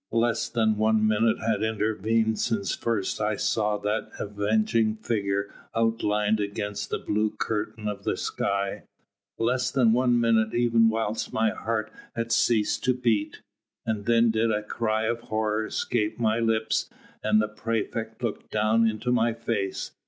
Less than one minute had intervened since first I saw that avenging figure outlined against the blue curtain of the sky: less than one minute even whilst my heart had ceased to beat. And then did a cry of horror escape my lips, and the praefect looked down into my face.